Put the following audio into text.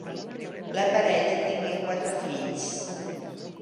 La parella tingué quatre fills.